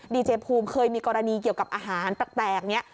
ดีเจภูมิเคยมีกรณีเกี่ยวกับอาหารแปลกเนี่ย